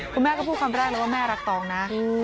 คุณแม่ก็พูดคำแรกเลยว่าแม่รักตองนะ